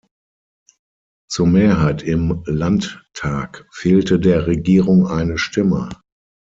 Zur Mehrheit im Landtag fehlte der Regierung eine Stimme.